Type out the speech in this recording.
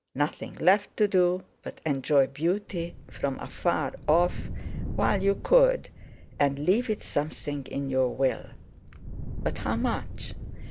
Nothing left to do but enjoy beauty from afar off while you could, and leave it something in your Will. But how much?